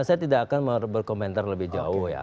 saya tidak akan berkomentar lebih jauh ya